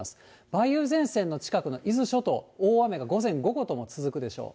梅雨前線の近くの伊豆諸島、大雨が午前、午後とも続くでしょう。